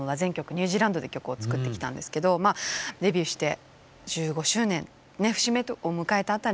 ニュージーランドで曲を作ってきたんですけどデビューして１５周年節目を迎えた辺りから